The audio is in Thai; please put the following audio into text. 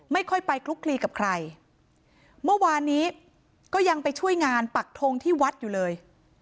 ไม่ค่อยไปคลุกคลีกับใครเมื่อวานนี้ก็ยังไปช่วยงานปักทงที่วัดอยู่เลย